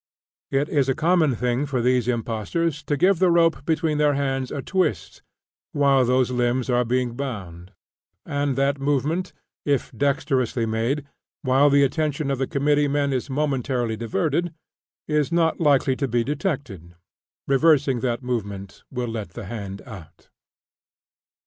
It is a common thing for these impostors to give the rope between their hands a twist while those limbs are being bound; and that movement, if dexterously made, while the attention of the committee men is momentarily diverted, is not likely to be detected. Reversing that movement will let the hand out.